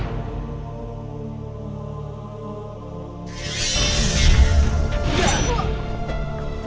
aku akan the shifty